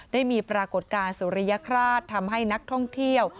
ได้มีปรากฏการณ์สุริยคราชทำให้นักท่องเที่ยว